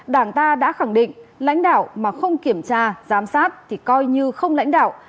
đảng ta đã khẳng định lãnh đạo mà không kiểm tra giám sát thì coi như không lãnh đạo